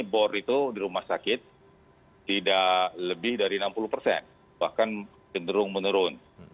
kemampuan labor itu di rumah sakit tidak lebih dari enam puluh bahkan kenderung menurun